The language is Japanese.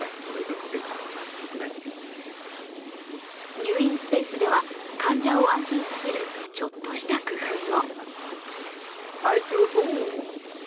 入院スペースでは患者を安心させる、ちょっとした工夫も。